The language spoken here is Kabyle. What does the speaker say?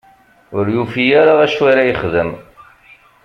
Ur yufi ara acu ara yexdem.